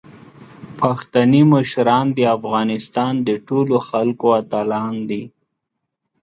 پښتني مشران د افغانستان د ټولو خلکو اتلان دي.